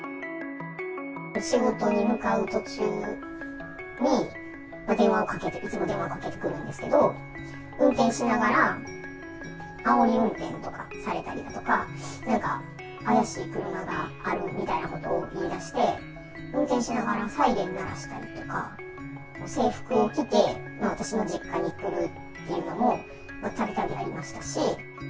仕事に向かう途中に、電話を、いつも電話をかけてくるんですけど、運転しながらあおり運転とかされたりだとか、何か怪しい車があるみたいなことを言い出して、運転しながらサイレン鳴らしたりとか、制服を着て、私の実家に来るっていうのもたびたびありましたし。